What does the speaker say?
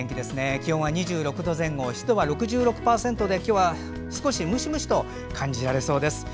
気温は２６度前後湿度は６６％で今日は少しムシムシと感じられそうです。